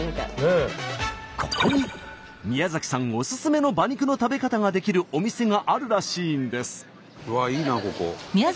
ここに宮崎さんオススメの馬肉の食べ方ができるお店があるらしいんです。